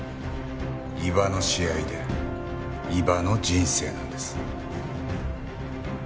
伊庭の試合で伊庭の人生なんです。